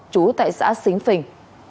chú tại xã xính phình